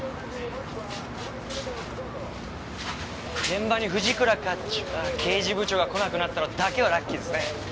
現場に藤倉課長刑事部長が来なくなったのだけはラッキーですね。